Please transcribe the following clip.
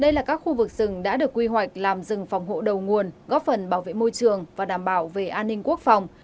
đây là các khu vực rừng đã được quy hoạch làm rừng phòng hộ đầu nguồn góp phần bảo vệ môi trường và đảm bảo về an ninh quốc phòng